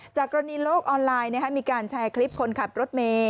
กรณีโลกออนไลน์มีการแชร์คลิปคนขับรถเมย์